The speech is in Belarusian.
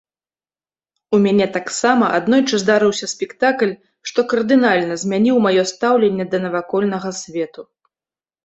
У мяне таксама аднойчы здарыўся спектакль, што кардынальна змяніў маё стаўленне да навакольнага свету.